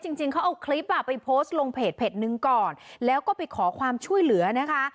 จริงจริงเขาเอาคลิปอ่ะไปโพสต์ลงเพจหนึ่งก่อนแล้วก็ไปขอความช่วยเหลือนะคะ